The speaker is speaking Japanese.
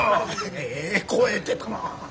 ええ声出たな。